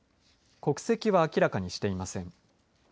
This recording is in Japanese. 国籍は明らかにしていません。